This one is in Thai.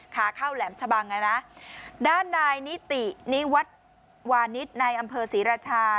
ขาเข้าแหลมฉบังด้านในนิตินิวัตรวานิตในอำเภอศรีรชา